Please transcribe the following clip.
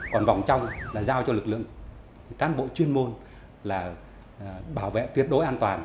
còn vòng trong là giao cho lực lượng cán bộ chuyên môn là bảo vệ tuyệt đối an toàn